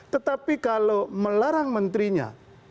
tetapi kalau melarang menterinya